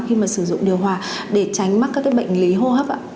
khi mà sử dụng điều hòa để tránh mắc các bệnh lý hô hấp ạ